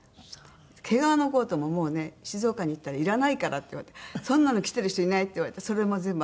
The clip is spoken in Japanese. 毛皮のコートももうね「静岡に行ったらいらないから」って言われて「そんなの着てる人いない」って言われてそれも全部あげて。